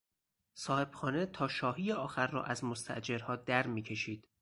صاحبخانه تا شاهی آخر را از مستاجرها درمیکشید.